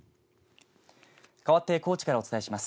かわって高知からお伝えします。